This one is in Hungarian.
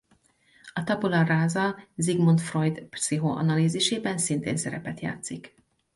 A tabula rasa Sigmund Freud pszichoanalízisében szintén szerepet játszik.